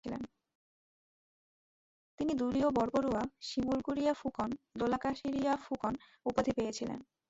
তিনি দুলীয়া বরবরুয়া, শিমুলগুরীয়া ফুকন, দোলাকাষরীয়া ফুকন উপাধী পেয়েছিলেন।